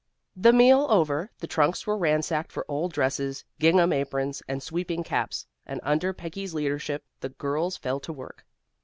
The meal over, the trunks were ransacked for old dresses, gingham aprons, and sweeping caps, and under Peggy's leadership, the girls fell to work.